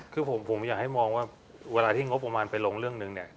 คือผมอยากให้มองว่าเวลาที่งบประมาณไปลงเรื่องนึงเนี่ย